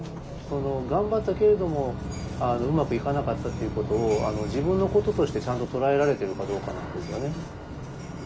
頑張ったけれどもうまくいかなかったっていうことを自分のこととしてちゃんと捉えられてるかどうかなんですよね。